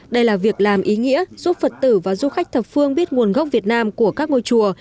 đây là việc làm ý nghĩa giúp phật tử và du khách thập phương biết nguồn gốc việt nam của các ngôi chùa